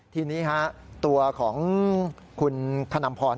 ทีนี้ครับตัวของคุณขนำพร